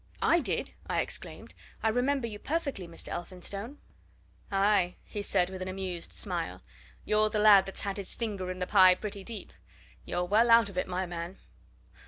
"I did!" I exclaimed. "I remember you perfectly, Mr. Elphinstone." "Aye!" he said with an amused smile. "You're the lad that's had his finger in the pie pretty deep you're well out of it, my man!